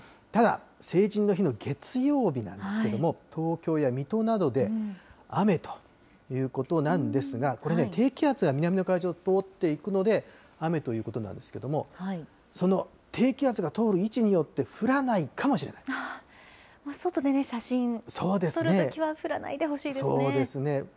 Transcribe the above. ただ、成人の日の月曜日なんですけども、東京や水戸などで雨ということなんですが、これ、低気圧が南の海上を通っていくので、雨ということなんですけれども、その低気圧が通る位置によって、降外でね、写真撮るときは降らそうですね。